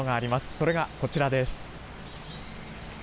それがこちらです。